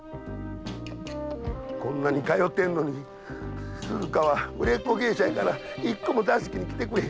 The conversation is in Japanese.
こんなに通っているのに鈴華は売れっ子芸者やから一度も座敷へ来てくれへん。